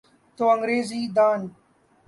تو انگریزی دان۔